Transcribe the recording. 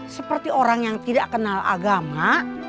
seperti orang yang tidak kenal agama